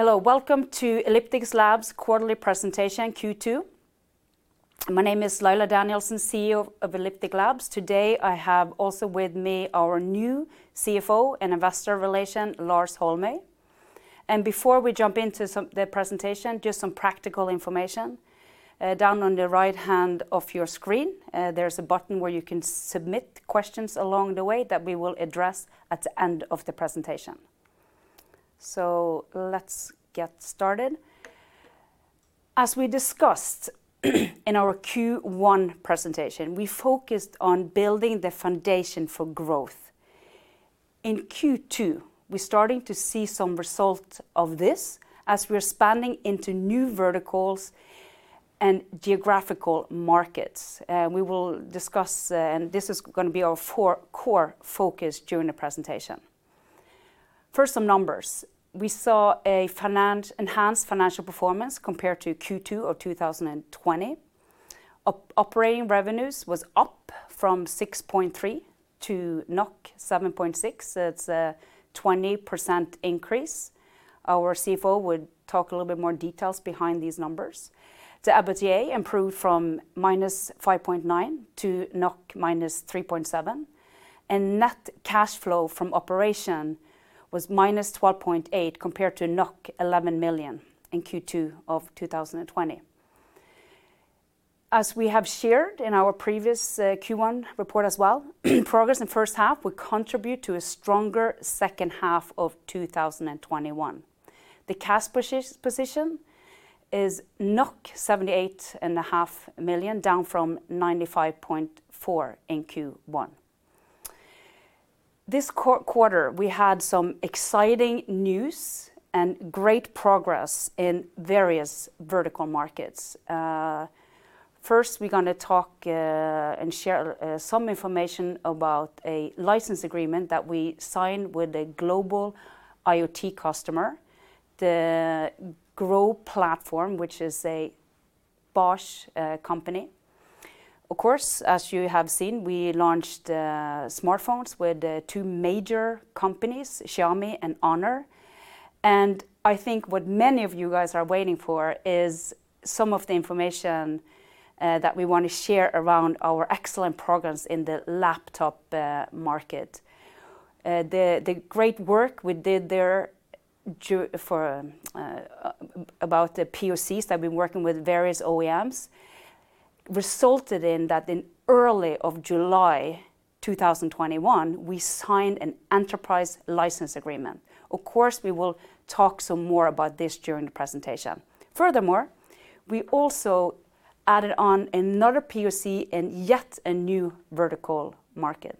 Hello. Welcome to Elliptic Labs quarterly presentation Q2. My name is Laila Danielsen, CEO of Elliptic Labs. Today, I have also with me our new CFO and Investor Relations, Lars Holmøy. Before we jump into the presentation, just some practical information. Down on the right-hand of your screen, there's a button where you can submit questions along the way that we will address at the end of the presentation. Let's get started. As we discussed in our Q1 presentation, we focused on building the foundation for growth. In Q2, we're starting to see some result of this as we're expanding into new verticals and geographical markets. We will discuss, this is going to be our core focus during the presentation. First, some numbers. We saw an enhanced financial performance compared to Q2 of 2020. Operating revenues was up from 6.3-7.6 NOK. That's a 20% increase. Our CFO would talk a little bit more details behind these numbers. The EBITDA improved from -5.9--3.7 NOK, and net cash flow from operation was -12.8 compared to 11 million in Q2 2020. As we have shared in our previous Q1 report as well, progress in first half will contribute to a stronger second half of 2021. The cash position is 78.5 million, down from 95.4 in Q1. This quarter, we had some exciting news and great progress in various vertical markets. First, we're going to talk and share some information about a license agreement that we signed with a global IoT customer, the Grow Platform, which is a Bosch company. Of course, as you have seen, we launched smartphones with two major companies, Xiaomi and Honor. I think what many of you guys are waiting for is some of the information that we want to share around our excellent progress in the laptop market. The great work we did there about the POCs that we've been working with various OEMs resulted in that in early July 2021, we signed an enterprise license agreement. Of course, we will talk some more about this during the presentation. Furthermore, we also added on another POC in yet a new vertical market.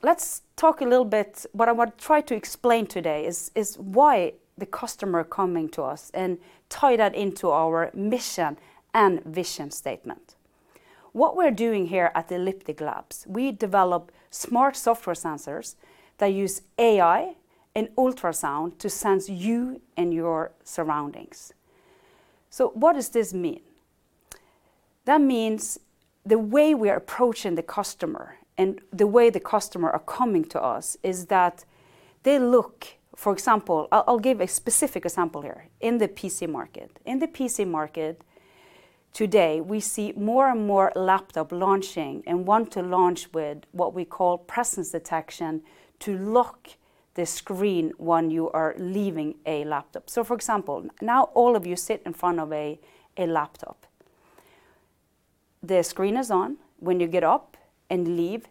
Let's talk a little bit. What I want to try to explain today is why the customer coming to us and tie that into our mission and vision statement. What we're doing here at Elliptic Labs, we develop smart software sensors that use AI and ultrasound to sense you and your surroundings. What does this mean? That means the way we are approaching the customer and the way the customer are coming to us is that they look, for example, I'll give a specific example here in the PC market. In the PC market today, we see more and more laptops launching and want to launch with what we call presence detection to lock the screen when you are leaving a laptop. For example, now all of you sit in front of a laptop. The screen is on. When you get up and leave,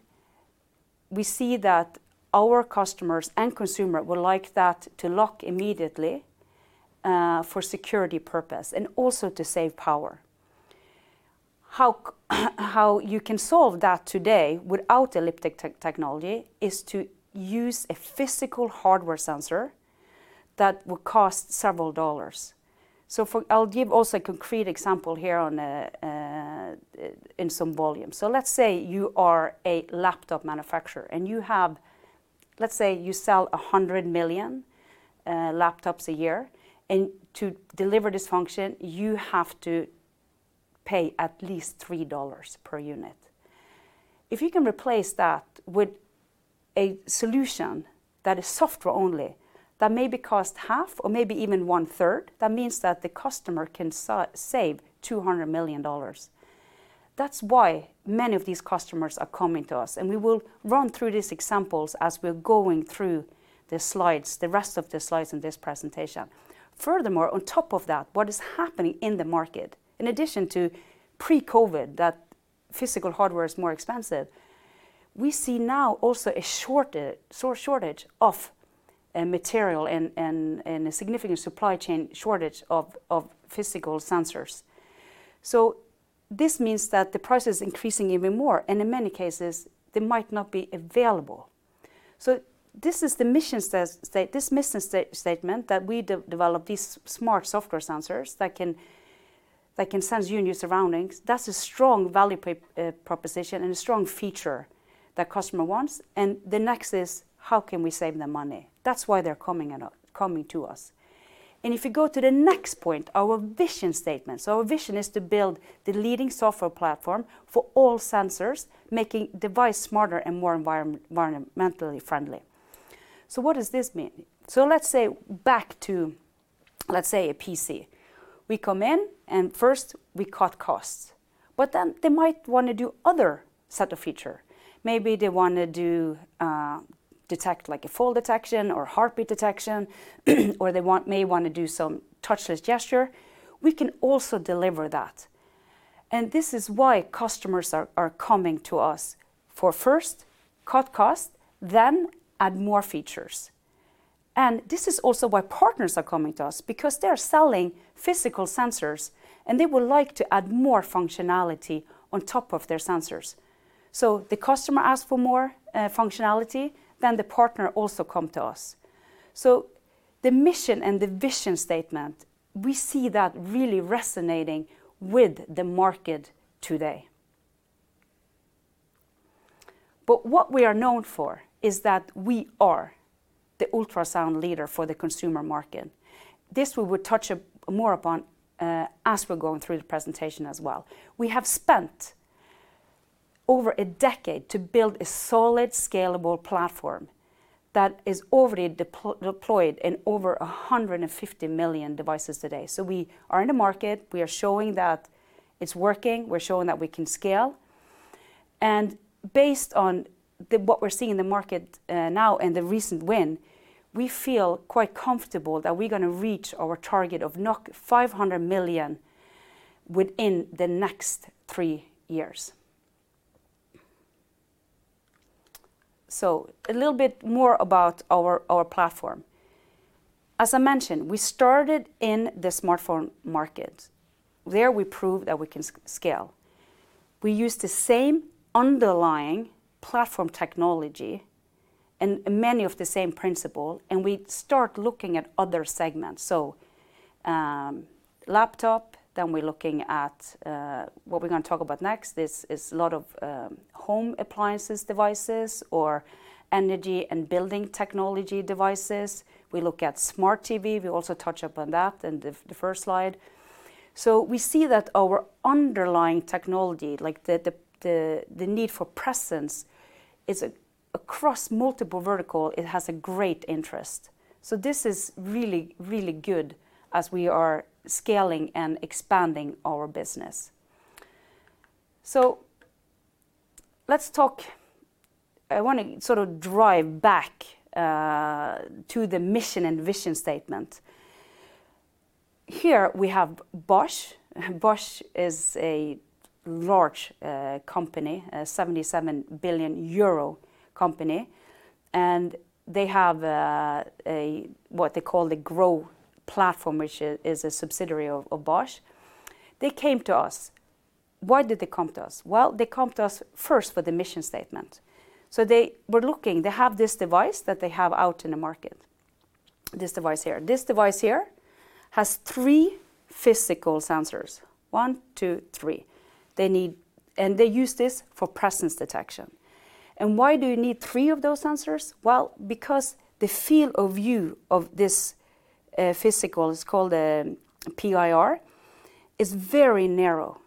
we see that our customers and consumers would like that to lock immediately, for security purposes and also to save power. How you can solve that today without Elliptic technology is to use a physical hardware sensor that will cost several USD. I'll give also a concrete example here in some volume. Let's say you are a laptop manufacturer, and let's say you sell 100 million laptops a year, and to deliver this function, you have to pay at least $3 per unit. If you can replace that with a solution that is software only, that maybe cost half or maybe even one-third, that means that the customer can save $200 million. That's why many of these customers are coming to us, and we will run through these examples as we're going through the rest of the slides in this presentation. Furthermore, on top of that, what is happening in the market, in addition to pre-COVID, that physical hardware is more expensive, we see now also a shortage of material and a significant supply chain shortage of physical sensors. This means that the price is increasing even more, and in many cases, they might not be available. This is the mission statement that we develop these smart software sensors that can sense you and your surroundings. That's a strong value proposition and a strong feature that customer wants, and the next is, how can we save them money? That's why they're coming to us. If you go to the next point, our vision statement. Our vision is to build the leading software platform for all sensors, making device smarter and more environmentally friendly. What does this mean? Let's say back to, let's say a PC. We come in and first we cut costs, but then they might want to do other set of feature. Maybe they want to do detect a fall detection or heartbeat detection, or they may want to do some touchless gesture. We can also deliver that. This is why customers are coming to us for first cut cost, then add more features. This is also why partners are coming to us because they're selling physical sensors, and they would like to add more functionality on top of their sensors. The customer ask for more functionality, then the partner also come to us. The mission and the vision statement, we see that really resonating with the market today. What we are known for is that we are the ultrasound leader for the consumer market. This we would touch more upon as we're going through the presentation as well. We have spent over a decade to build a solid, scalable platform that is already deployed in over 150 million devices today. We are in the market, we are showing that it's working, we're showing that we can scale. Based on what we're seeing in the market now and the recent win, we feel quite comfortable that we're going to reach our target of 500 million within the next three years. A little bit more about our platform. As I mentioned, we started in the smartphone market. There we proved that we can scale. We use the same underlying platform technology and many of the same principle, and we start looking at other segments. Laptop, then we're looking at what we're going to talk about next. This is a lot of home appliances devices or energy and building technology devices. We look at smart TV, we also touch upon that in the first slide. We see that our underlying technology, like the need for presence, is across multiple vertical, it has a great interest. This is really, really good as we are scaling and expanding our business. Let's talk I want to sort of drive back to the mission and vision statement. Here we have Bosch. Bosch is a large company, a 77 billion euro company, and they have what they call the grow platform, which is a subsidiary of Bosch. They came to us. Why did they come to us? Well, they come to us first for the mission statement. They were looking, they have this device that they have out in the market. This device here. This device here has three physical sensors. One, two, three. They use this for presence detection. Why do you need three of those sensors? Well, because the field of view of this physical, it is called a PIR, is very narrow.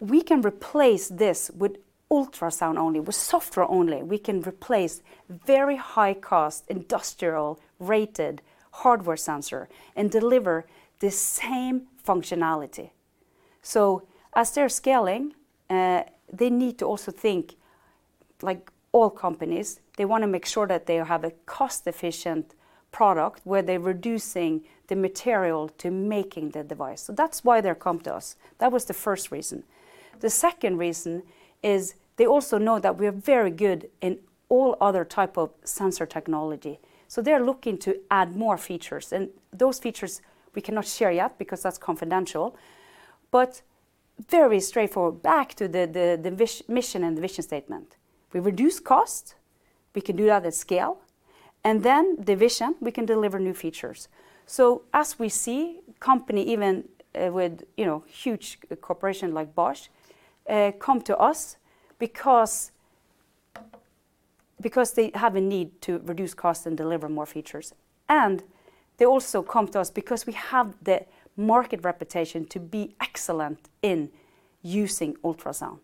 We can replace this with ultrasound only, with software only. We can replace very high cost industrial-rated hardware sensor and deliver the same functionality. As they're scaling, they need to also think like all companies, they want to make sure that they have a cost-efficient product where they're reducing the material to making the device. That's why they come to us. That was the first reason. The second reason is they also know that we are very good in all other type of sensor technology. They're looking to add more features, and those features we cannot share yet because that's confidential, but very straightforward. Back to the mission and the vision statement. We reduce cost, we can do that at scale, the vision, we can deliver new features. As we see, company even with huge corporation like Bosch, come to us because they have a need to reduce cost and deliver more features. They also come to us because we have the market reputation to be excellent in using ultrasound,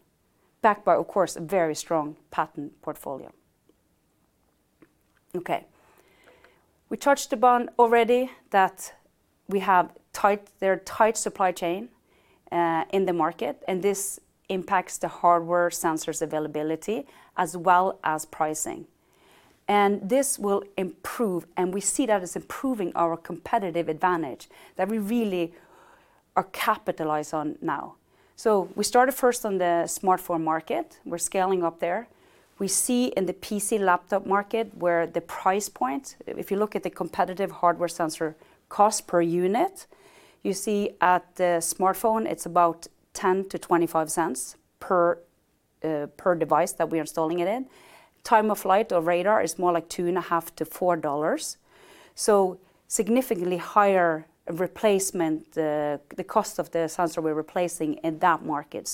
backed by, of course, a very strong patent portfolio. Okay. We touched upon already that we have tight supply chain in the market, and this impacts the hardware sensors availability as well as pricing. This will improve, and we see that as improving our competitive advantage that we really are capitalize on now. We started first on the smartphone market. We're scaling up there. We see in the PC laptop market where the price point, if you look at the competitive hardware sensor cost per unit, you see at the smartphone, it's about $0.10- $0.25 per device that we are installing it in. Time-of-flight or radar is more like $2.5-$4. Significantly higher replacement, the cost of the sensor we're replacing in that market.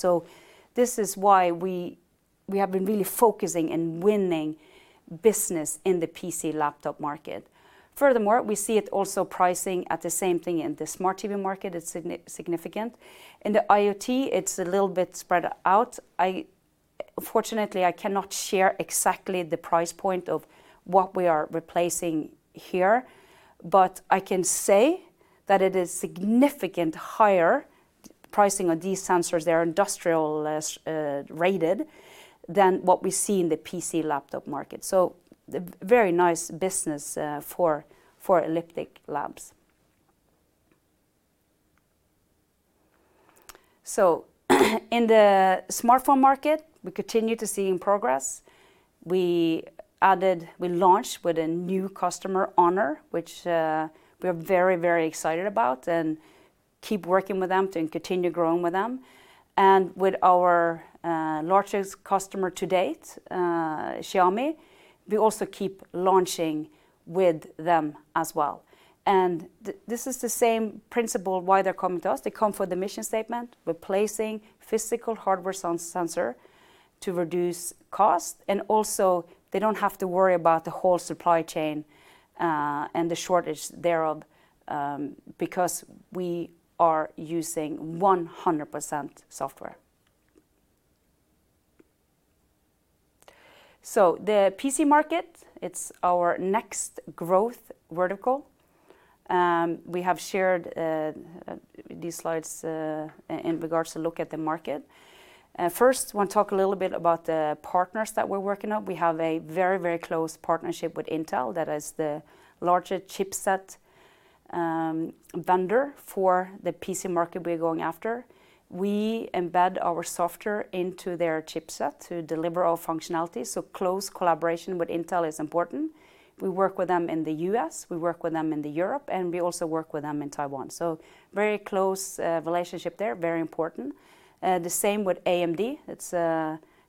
This is why we have been really focusing and winning business in the PC laptop market. Furthermore, we see it also pricing at the same thing in the smart TV market, it's significant. In the IoT, it's a little bit spread out. Unfortunately, I cannot share exactly the price point of what we are replacing here, but I can say that it is significantly higher pricing on these sensors, they are industrial-rated, than what we see in the PC laptop market. A very nice business for Elliptic Labs. In the smartphone market, we continue to see progress. We launched with a new customer, Honor, which we are very excited about, and keep working with them and continue growing with them. With our largest customer to date, Xiaomi, we also keep launching with them as well. This is the same principle why they're coming to us. They come for the mission statement, replacing physical hardware sensor to reduce cost, also they don't have to worry about the whole supply chain, and the shortage thereof, because we are using 100% software. The PC market, it's our next growth vertical. We have shared these slides in regards to look at the market. First, I want to talk a little bit about the partners that we're working on. We have a very close partnership with Intel, that is the largest chipset vendor for the PC market we're going after. We embed our software into their chipset to deliver all functionality, close collaboration with Intel is important. We work with them in the U.S., we work with them in the Europe, we also work with them in Taiwan. Very close relationship there, very important. The same with AMD.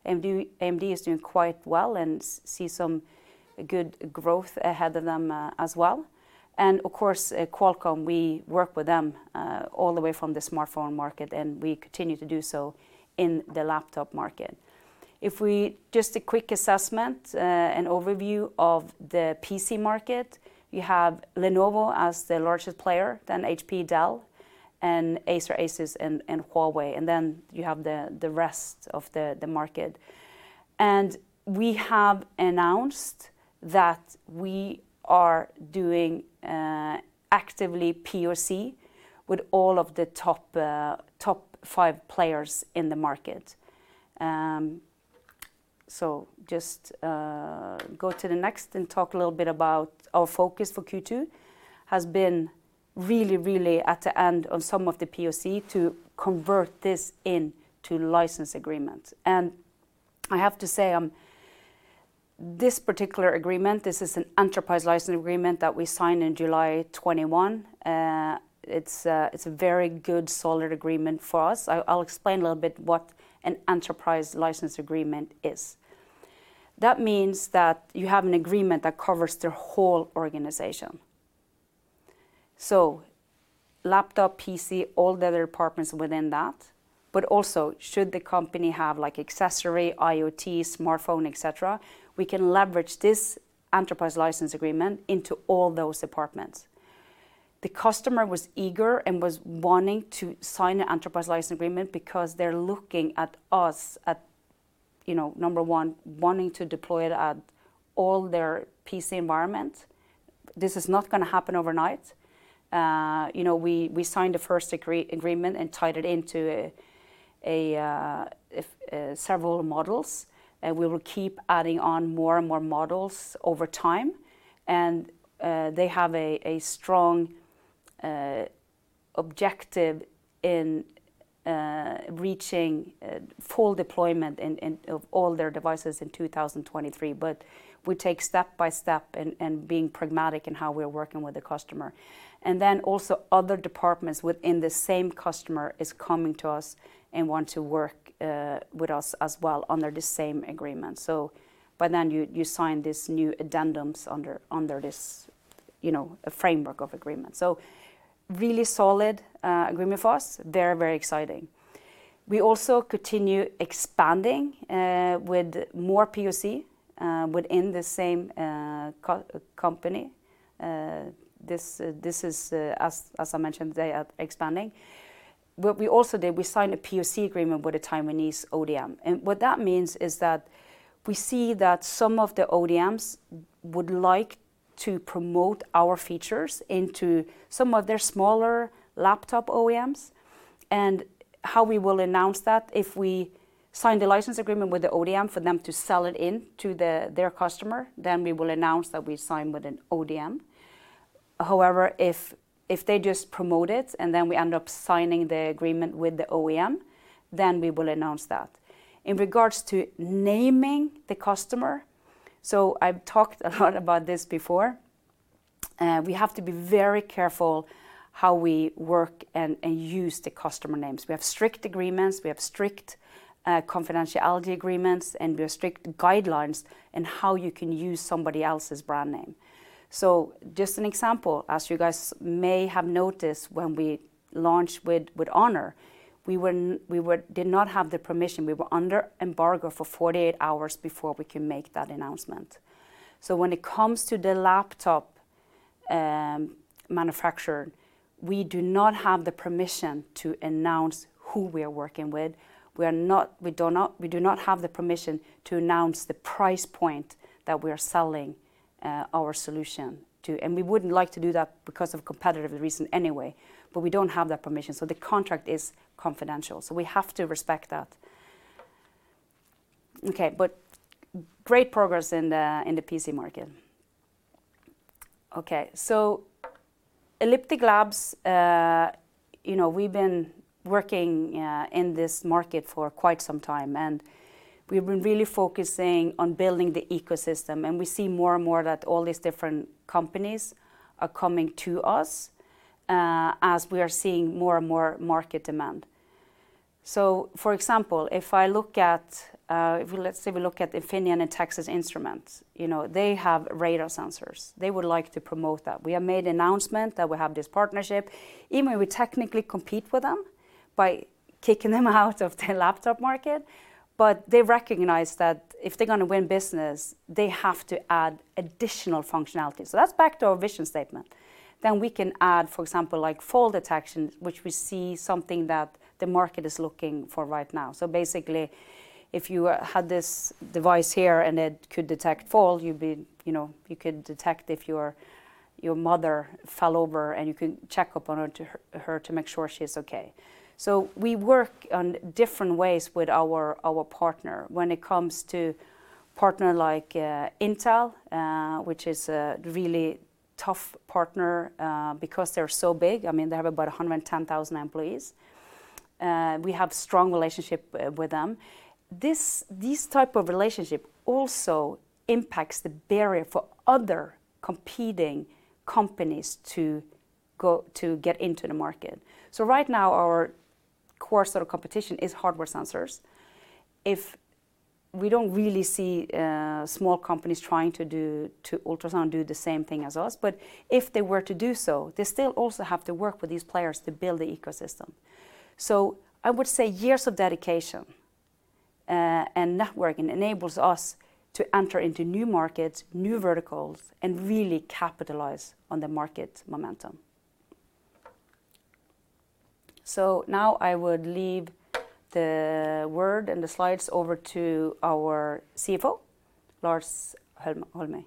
AMD is doing quite well and see some good growth ahead of them, as well. Of course, Qualcomm, we work with them, all the way from the smartphone market, and we continue to do so in the laptop market. Just a quick assessment, an overview of the PC market. You have Lenovo as the largest player, then HP, Dell, and Acer, ASUS, and Huawei, and then you have the rest of the market. We have announced that we are doing actively POC with all of the top five players in the market. Just go to the next and talk a little bit about our focus for Q2 has been really at the end of some of the POC to convert this into license agreements. I have to say, this particular agreement, this is an enterprise license agreement that we signed in July 2021. It's a very good, solid agreement for us. I'll explain a little bit what an enterprise license agreement is. That means that you have an agreement that covers their whole organization. Laptop, PC, all the other departments within that, but also should the company have accessory, IoT, smartphone, et cetera, we can leverage this enterprise license agreement into all those departments. The customer was eager and was wanting to sign an enterprise license agreement because they're looking at us as, number 1, wanting to deploy it at all their PC environment. This is not going to happen overnight. We signed a first agreement and tied it into several models. We will keep adding on more and more models over time. They have a strong objective in reaching full deployment of all their devices in 2023. We take step by step and being pragmatic in how we're working with the customer. Also other departments within the same customer is coming to us and want to work with us as well under the same agreement. By then you sign these new addendums under this framework of agreement. Really solid agreement for us. They're very exciting. We also continue expanding with more POC within the same company. This is, as I mentioned, they are expanding. What we also did, we signed a POC agreement with a Taiwanese ODM. What that means is that we see that some of the ODMs would like to promote our features into some of their smaller laptop OEMs. How we will announce that, if we sign the license agreement with the ODM for them to sell it to their customer, then we will announce that we sign with an ODM. However, if they just promote it and then we end up signing the agreement with the OEM, then we will announce that. In regards to naming the customer, I've talked a lot about this before. We have to be very careful how we work and use the customer names. We have strict agreements, we have strict confidentiality agreements, and we have strict guidelines in how you can use somebody else's brand name. Just an example, as you guys may have noticed, when we launched with Honor, we did not have the permission. We were under embargo for 48 hours before we can make that announcement. When it comes to the laptop manufacturer. We do not have the permission to announce who we are working with. We do not have the permission to announce the price point that we are selling our solution to, and we wouldn't like to do that because of competitive reasons anyway, but we don't have that permission. The contract is confidential, so we have to respect that. Okay. Great progress in the PC market. Okay. Elliptic Labs, we've been working in this market for quite some time, and we've been really focusing on building the ecosystem, and we see more and more that all these different companies are coming to us as we are seeing more and more market demand. For example, let's say we look at Infineon and Texas Instruments. They have radar sensors. They would like to promote that. We have made announcement that we have this partnership, even when we technically compete with them by kicking them out of the laptop market. They recognize that if they're going to win business, they have to add additional functionality. That's back to our vision statement. We can add, for example, fall detection, which we see something that the market is looking for right now. Basically, if you had this device here and it could detect fall, you could detect if your mother fell over, and you can check up on her to make sure she's okay. We work on different ways with our partner when it comes to partner like Intel, which is a really tough partner because they're so big. They have about 110,000 employees. We have strong relationship with them. This type of relationship also impacts the barrier for other competing companies to get into the market. Right now, our core competition is hardware sensors. We don't really see small companies trying to do ultrasound, do the same thing as us, but if they were to do so, they still also have to work with these players to build the ecosystem. I would say years of dedication and networking enables us to enter into new markets, new verticals, and really capitalize on the market momentum. Now I would leave the word and the slides over to our CFO, Lars Holmøy.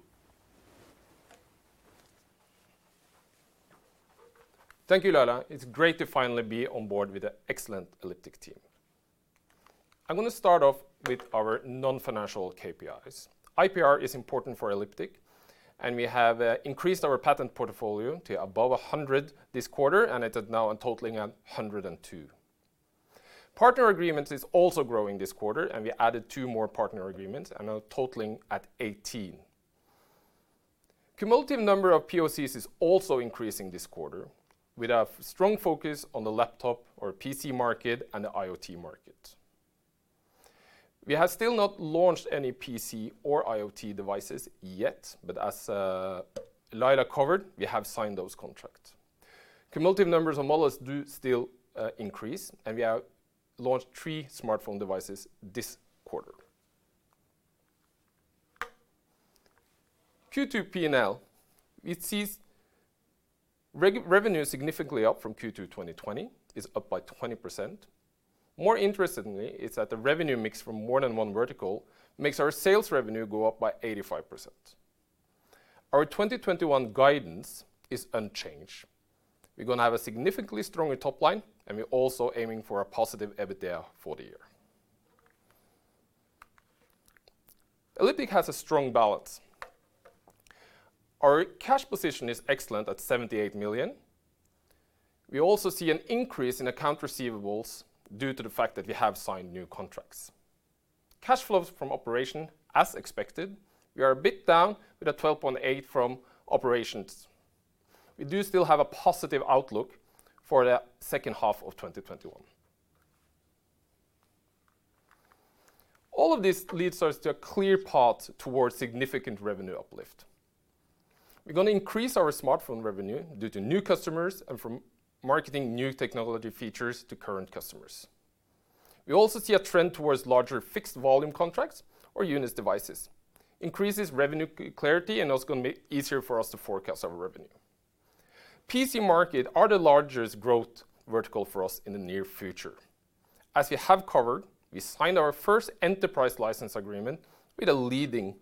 Thank you, Laila Danielsen. It's great to finally be on board with the excellent Elliptic team. I'm going to start off with our non-financial KPIs. IPR is important for Elliptic, and we have increased our patent portfolio to above 100 this quarter, and it is now totaling at 102. Partner agreements is also growing this quarter, and we added two more partner agreements and are totaling at 18. Cumulative number of POCs is also increasing this quarter with a strong focus on the laptop or PC market and the IoT market. We have still not launched any PC or IoT devices yet, but as Laila Danielsen covered, we have signed those contracts. Cumulative numbers on models do still increase, and we have launched three smartphone devices this quarter. Q2 P&L, we see revenue significantly up from Q2 2020, is up by 20%. More interestingly is that the revenue mix from more than one vertical makes our sales revenue go up by 85%. Our 2021 guidance is unchanged. We're going to have a significantly stronger top line, and we're also aiming for a positive EBITDA for the year. Elliptic has a strong balance. Our cash position is excellent at 78 million. We also see an increase in account receivables due to the fact that we have signed new contracts. Cash flows from operation, as expected, we are a bit down with a 12.8 million from operations. We do still have a positive outlook for the second half of 2021. All of this leads us to a clear path towards significant revenue uplift. We're going to increase our smartphone revenue due to new customers and from marketing new technology features to current customers. We also see a trend towards larger fixed volume contracts or units devices, increases revenue clarity, and also going to make easier for us to forecast our revenue. PC market are the largest growth vertical for us in the near future. As we have covered, we signed our first enterprise license agreement with a leading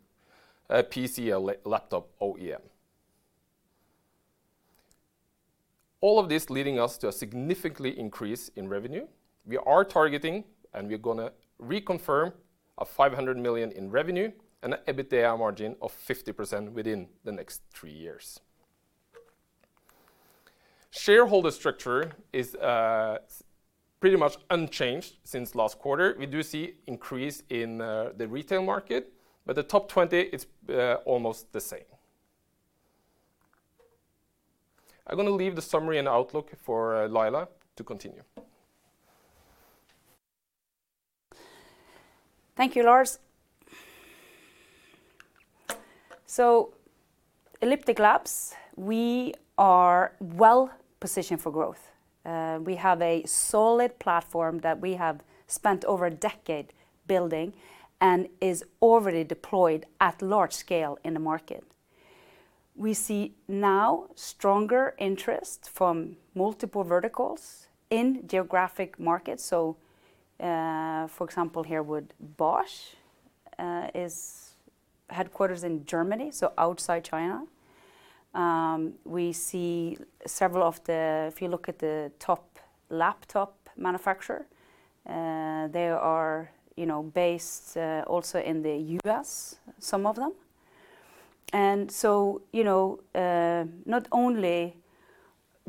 PC laptop OEM. All of this leading us to a significantly increase in revenue. We are targeting, and we're going to reconfirm a 500 million in revenue and EBITDA margin of 50% within the next three years. Shareholder structure is pretty much unchanged since last quarter. We do see increase in the retail market, but the top 20, it's almost the same. I'm going to leave the summary and outlook for Laila to continue. Thank you, Lars Holmøy. Elliptic Labs, we are well positioned for growth. We have a solid platform that we have spent over a decade building and is already deployed at large scale in the market. We see now stronger interest from multiple verticals in geographic markets. For example, here with Bosch, is headquarters in Germany, outside China. If you look at the top laptop manufacturer, they are based also in the U.S., some of them. Not only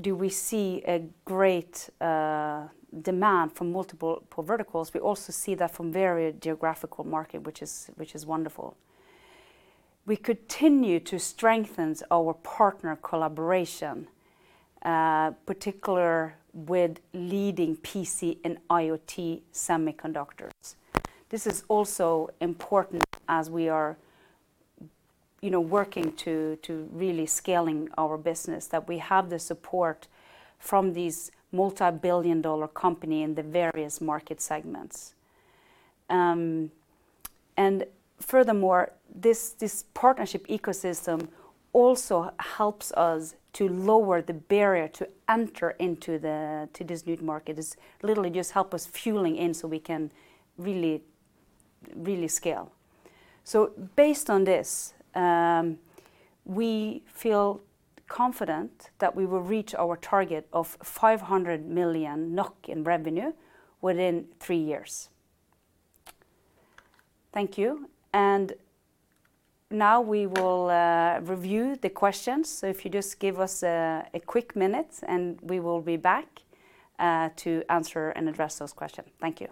do we see a great demand from multiple verticals, we also see that from various geographical market, which is wonderful. We continue to strengthen our partner collaboration, particular with leading PC and IoT semiconductors. This is also important as we are working to really scaling our business, that we have the support from these multibillion-dollar company in the various market segments. Furthermore, this partnership ecosystem also helps us to lower the barrier to enter into these new markets. Literally just help us fueling in so we can really scale. Based on this, we feel confident that we will reach our target of 500 million NOK in revenue within three years. Thank you. Now we will review the questions. If you just give us a quick minute, and we will be back to answer and address those questions. Thank you.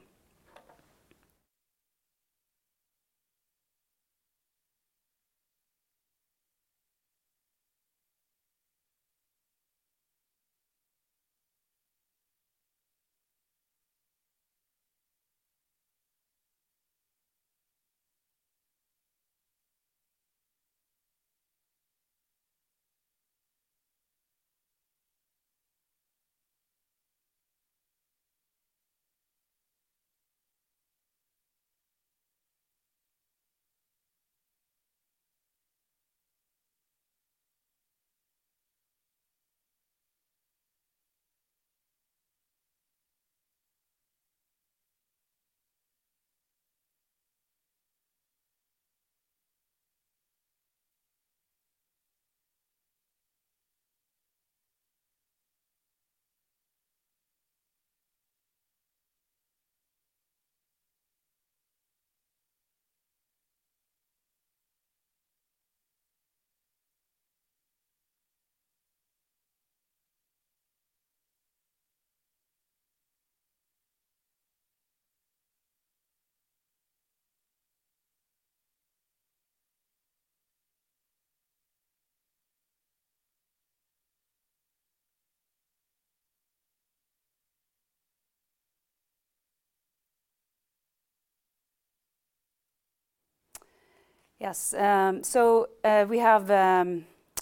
Yes. We have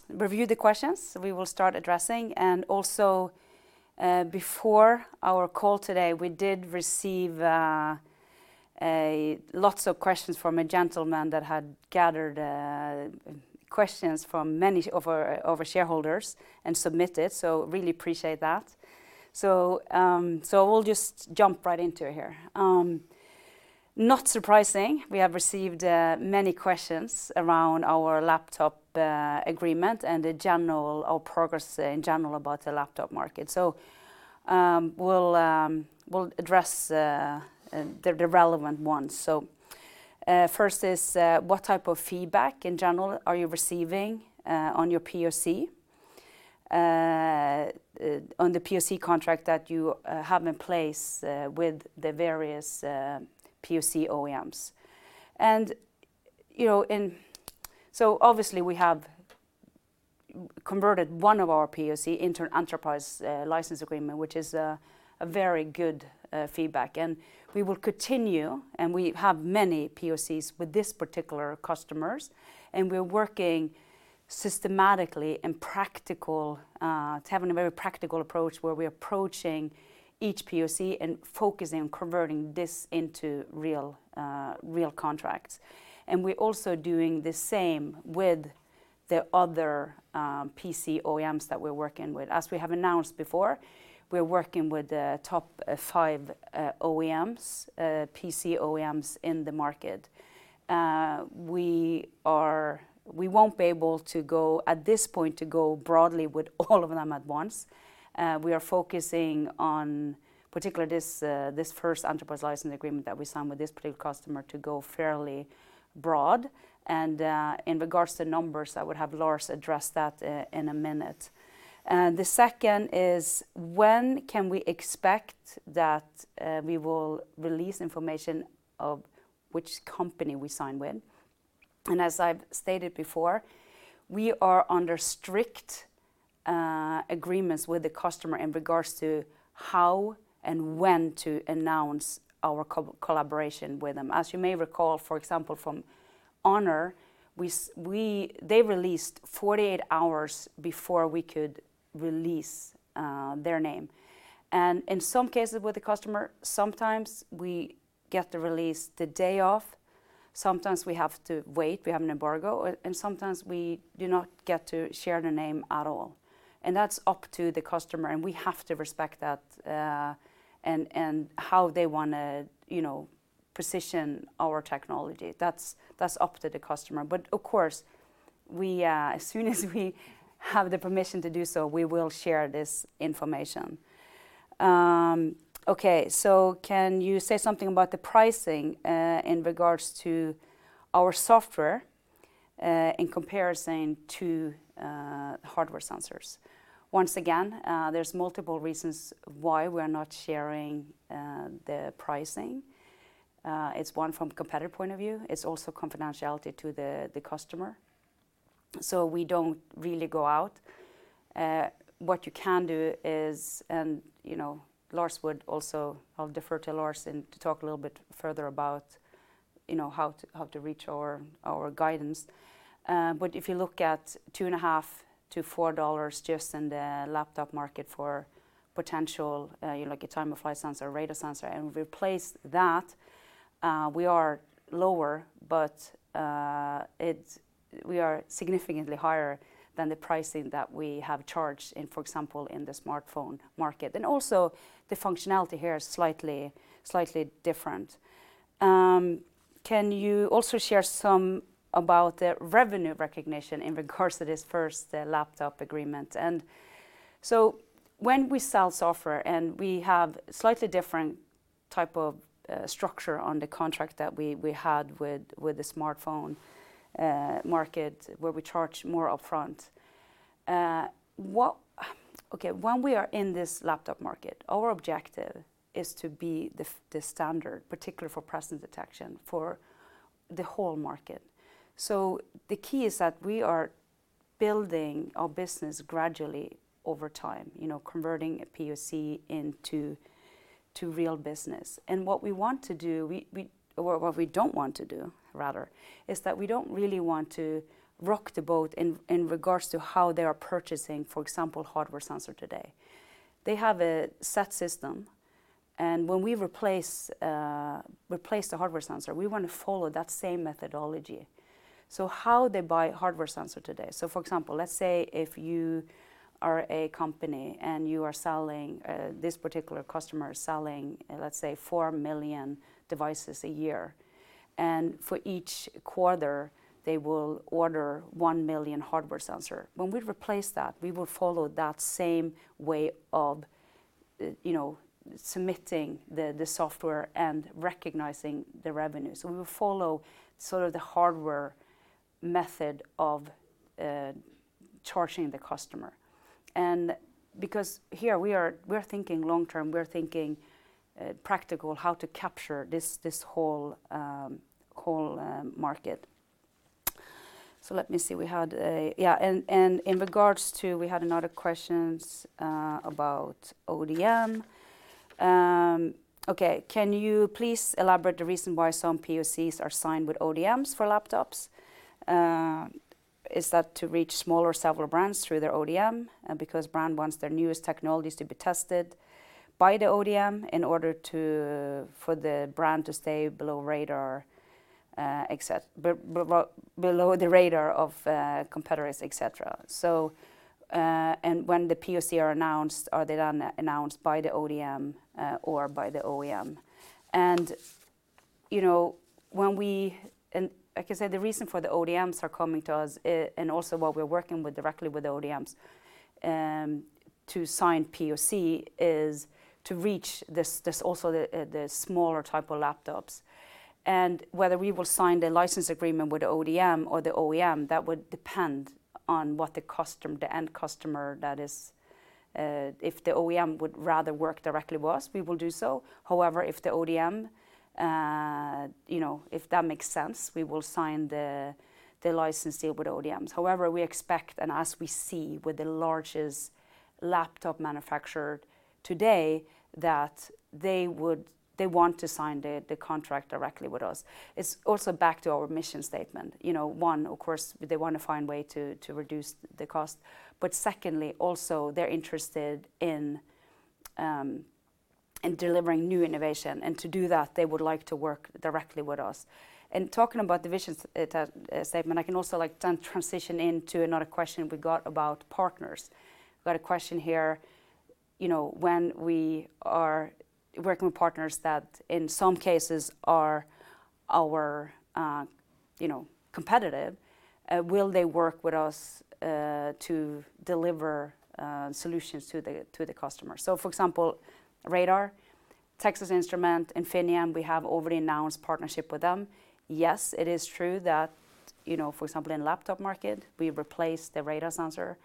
reviewed the questions, we will start addressing. Also, before our call today, we did receive lots of questions from a gentleman that had gathered questions from many of our shareholders and submitted, so really appreciate that. We'll just jump right into it here. Not surprising, we have received many questions around our laptop agreement and our progress in general about the laptop market. We'll address the relevant ones. First is, what type of feedback in general are you receiving on your POC? On the POC contract that you have in place with the various POC OEMs. Obviously we have converted one of our POC into an enterprise license agreement, which is a very good feedback. We will continue, and we have many POCs with this particular customers, and we're working systematically and having a very practical approach where we're approaching each POC and focusing on converting this into real contracts. We're also doing the same with the other PC OEMs that we're working with. As we have announced before, we're working with the top five PC OEMs in the market. We won't be able, at this point, to go broadly with all of them at once. We are focusing on particular this first enterprise license agreement that we signed with this particular customer to go fairly broad. In regards to numbers, I would have Lars address that in a minute. The second is, when can we expect that we will release information of which company we sign with? As I've stated before, we are under strict agreements with the customer in regards to how and when to announce our collaboration with them. As you may recall, for example, from Honor, they released 48 hours before we could release their name. In some cases with the customer, sometimes we get the release the day of, sometimes we have to wait, we have an embargo, and sometimes we do not get to share the name at all. That's up to the customer, and we have to respect that, and how they want to position our technology. That's up to the customer. Of course, as soon as we have the permission to do so, we will share this information. Okay. Can you say something about the pricing, in regards to our software in comparison to hardware sensors? Once again, there's multiple reasons why we are not sharing the pricing. It's one from competitor point of view. It's also confidentiality to the customer. We don't really go out. What you can do is, and I'll defer to Lars Holmøy, to talk a little bit further about how to reach our guidance. If you look at NOK 2.5-NOK 4 just in the laptop market for potential, like a time-of-flight sensor, radar sensor, and replace that, we are lower, but we are significantly higher than the pricing that we have charged in, for example, in the smartphone market. Also the functionality here is slightly different. Can you also share some about the revenue recognition in regards to this first laptop agreement? When we sell software and we have slightly different type of structure on the contract that we had with the smartphone market where we charge more upfront. Okay. When we are in this laptop market, our objective is to be the standard, particularly for presence detection for the whole market. The key is that we are building our business gradually over time, converting a POC into real business. What we don't want to do, rather, is that we don't really want to rock the boat in regards to how they are purchasing, for example, hardware sensor today. They have a set system, and when we replace the hardware sensor, we want to follow that same methodology. How they buy hardware sensor today. For example, let's say if you are a company and this particular customer is selling, let's say, 4 million devices a year, and for each quarter, they will order 1 million hardware sensor. When we replace that, we will follow that same way of submitting the software and recognizing the revenue. We will follow the hardware method of charging the customer. Because here we're thinking long term, we're thinking practical, how to capture this whole market. Let me see. In regards to, we had another questions about ODM. Can you please elaborate the reason why some POCs are signed with ODMs for laptops? Is that to reach smaller several brands through their ODM? Brand wants their newest technologies to be tested by the ODM in order for the brand to stay below the radar of competitors, et cetera. When the POC are announced, are they then announced by the ODM, or by the OEM? Like I said, the reason for the ODMs are coming to us, and also what we're working with directly with the ODMs, to sign POC is to reach this, also the smaller type of laptops. Whether we will sign the license agreement with the ODM or the OEM, that would depend on what the end customer that is. If the OEM would rather work directly with us, we will do so. However, if the ODM, if that makes sense, we will sign the license deal with ODMs. However, we expect, and as we see with the largest laptop manufacturer today, that they want to sign the contract directly with us. It's also back to our mission statement. One, of course, they want to find way to reduce the cost. Secondly, also they're interested in delivering new innovation. To do that, they would like to work directly with us. Talking about the vision statement, I can also transition into another question we got about partners. We got a question here, when we are working with partners that in some cases are our competitive, will they work with us to deliver solutions to the customer? For example, radar, Texas Instruments, Infineon, we have already announced partnership with them. Yes, it is true that, for example, in laptop market, we replace the radar sensor.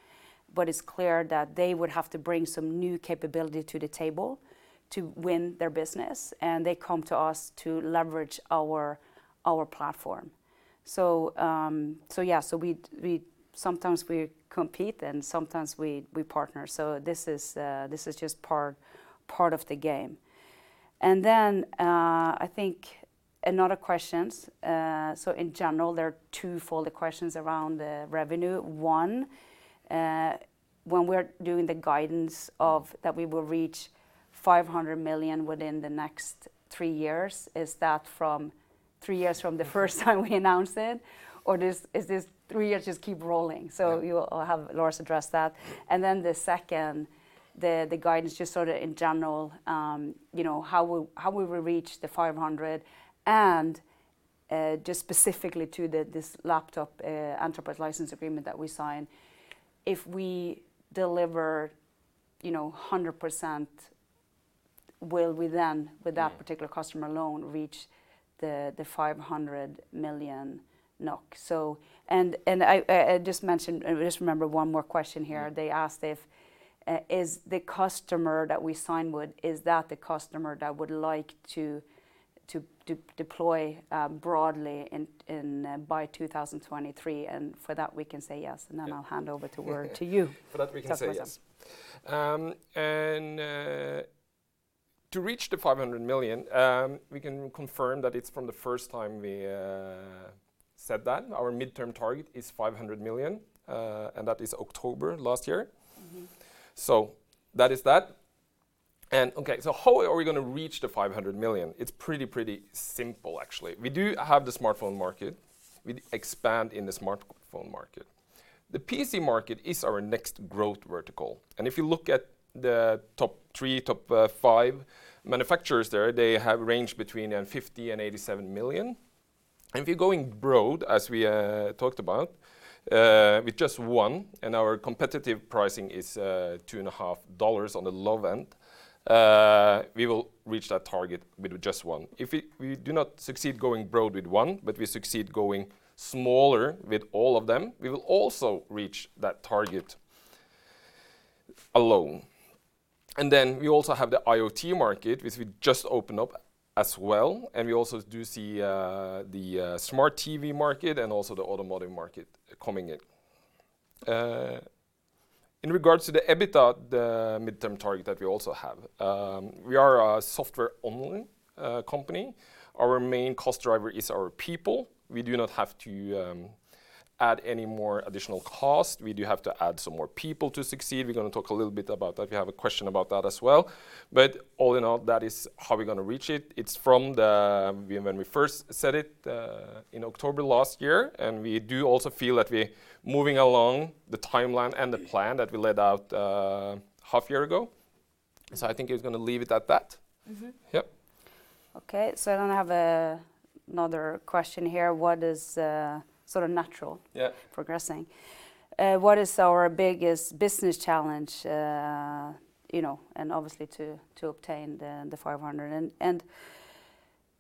It's clear that they would have to bring some new capability to the table to win their business, and they come to us to leverage our platform. Yeah. Sometimes we compete and sometimes we partner. This is just part of the game. I think another question. In general, there are twofold questions around the revenue. One, when we're doing the guidance that we will reach 500 million within the next three years, is that from three years from the first time we announced it, or is this three years just keep rolling? You will have Lars Holmøy address that. The second, the guidance just sort of in general, how will we reach the 500 and just specifically to this laptop enterprise license agreement that we signed, if we deliver 100%, will we then, with that particular customer alone, reach the 500 million NOK? I just remember one more question here. They asked if the customer that we signed with, is that the customer that would like to deploy broadly by 2023? For that, we can say yes. I'll hand over the word to you. For that, we can say yes. Yes. To reach the 500 million, we can confirm that it's from the first time we said that. Our midterm target is 500 million, and that is October last year. That is that. How are we going to reach the 500 million? It's pretty simple, actually. We do have the smartphone market. We expand in the smartphone market. The PC market is our next growth vertical. If you look at the top three, top five manufacturers there, they have a range between 50 million and 87 million. If you're going broad, as we talked about, with just one, and our competitive pricing is $2.5 on the low end, we will reach that target with just one. If we do not succeed going broad with one, but we succeed going smaller with all of them, we will also reach that target alone. We also have the IoT market, which we just opened up as well. We also do see the smart TV market and also the automotive market coming in. In regards to the EBITDA, the midterm target that we also have, we are a software-only company. Our main cost driver is our people. We do not have to add any more additional cost. We do have to add some more people to succeed. We're going to talk a little bit about that. We have a question about that as well. All in all, that is how we're going to reach it. It's from when we first said it in October last year, and we do also feel that we're moving along the timeline and the plan that we laid out half year ago. I think it was going to leve it at that. Yep. Okay, I don't have another question here, what is sort of natural. Yeah progressing. What is our biggest business challenge and obviously to obtain the 500.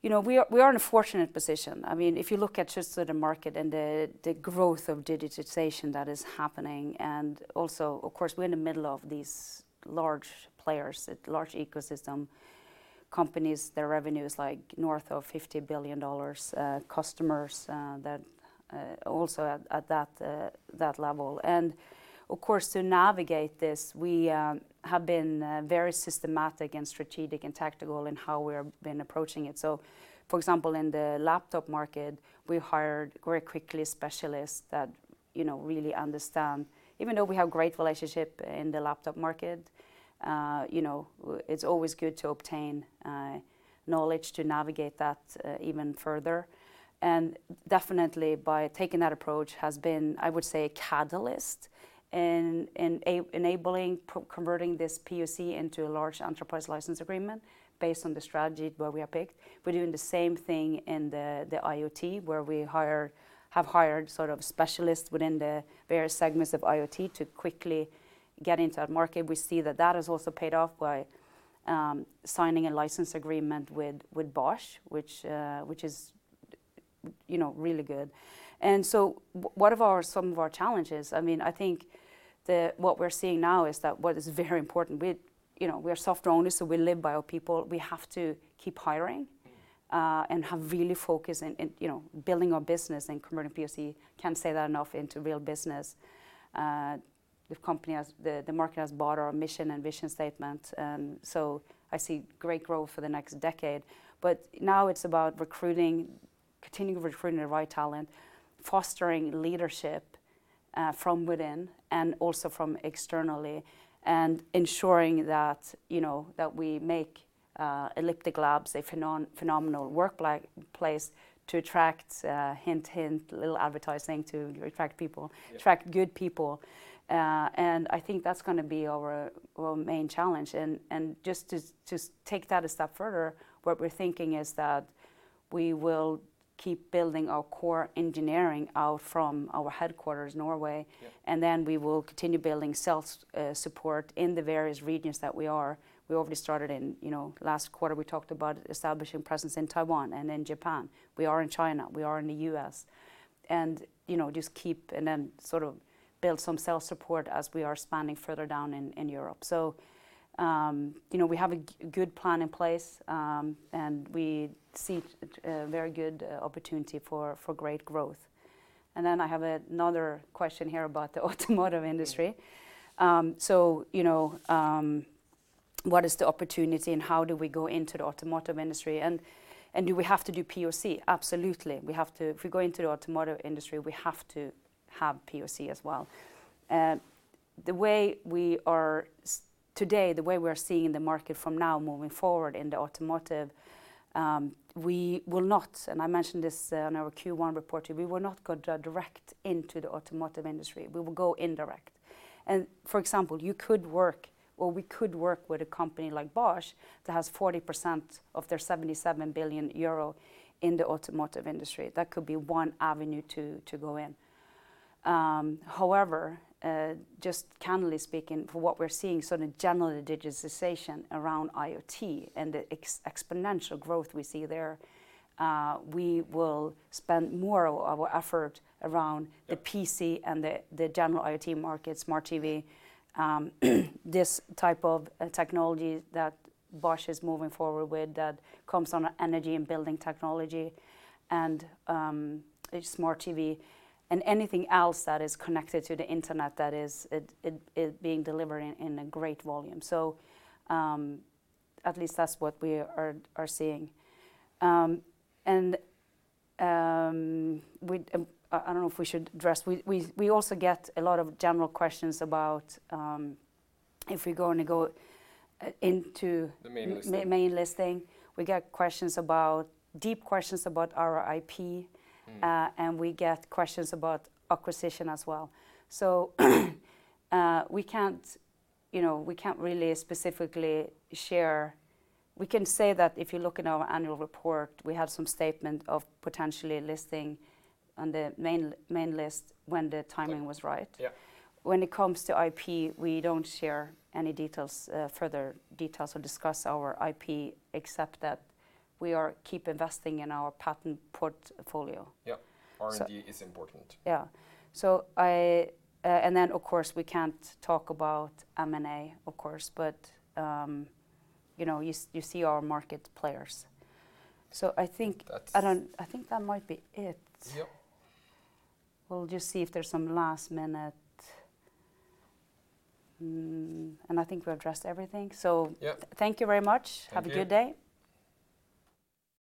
We are in a fortunate position. If you look at just sort of market and the growth of digitization that is happening, and also, of course, we're in the middle of these large players, large ecosystem companies, their revenues north of $50 billion, customers that also at that level. Of course, to navigate this, we have been very systematic and strategic and tactical in how we've been approaching it. For example, in the laptop market, we hired very quickly specialists that really understand. Even though we have great relationship in the laptop market, it's always good to obtain knowledge to navigate that even further. Definitely by taking that approach has been, I would say, a catalyst in enabling converting this POC into a large enterprise license agreement based on the strategy where we are picked. We're doing the same thing in the IoT, where we have hired sort of specialists within the various segments of IoT to quickly get into that market. We see that that has also paid off by signing a license agreement with Bosch, which is really good. What are some of our challenges? I think what we're seeing now is that what is very important, we're software owners, so we live by our people. We have to keep hiring and have really focused in building our business and converting POC, can't say that enough, into real business. The market has bought our mission and vision statement, and so I see great growth for the next decade. Now it's about recruiting, continuing recruiting the right talent, fostering leadership from within and also from externally and ensuring that we make Elliptic Labs a phenomenal workplace to attract, hint, little advertising to attract people. Yeah attract good people. I think that's going to be our main challenge. Just to take that a step further, what we're thinking is that we will keep building our core engineering out from our headquarters, Norway- Yeah We will continue building sales support in the various regions that we are. We already started in last quarter, we talked about establishing presence in Taiwan and in Japan. We are in China. We are in the U.S. Just keep and then sort of build some sales support as we are expanding further down in Europe. We have a good plan in place, and we see a very good opportunity for great growth. I have another question here about the automotive industry. What is the opportunity and how do we go into the automotive industry, and do we have to do POC? Absolutely. If we go into the automotive industry, we have to have POC as well. Today, the way we're seeing the market from now moving forward in the automotive, we will not, and I mentioned this on our Q1 report too, we will not go direct into the automotive industry. We will go indirect. For example, you could work, or we could work with a company like Bosch that has 40% of their 77 billion euro in the automotive industry. That could be one avenue to go in. However, just candidly speaking from what we're seeing, sort of general digitalization around IoT and the exponential growth we see there, we will spend more of our effort around the PC and the general IoT market, smart TV, this type of technology that Bosch is moving forward with that comes on energy and building technology and smart TV and anything else that is connected to the internet that is being delivered in a great volume. At least that's what we are seeing. I don't know if we should address, we also get a lot of general questions about if we're going to go into the main listing. We get deep questions about our IP, and we get questions about acquisition as well. We can't really specifically share. We can say that if you look in our annual report, we have some statement of potentially listing on the main list when the timing was right. Yeah. When it comes to IP, we don't share any further details or discuss our IP except that we keep investing in our patent portfolio. Yep. R&D is important. Yeah. Of course, we can't talk about M&A, of course, but you see our market players. I think that might be it. Yep. We'll just see if there's some last-minute. I think we've addressed everything. Yep, thank you very much. Thank you. Have a good day.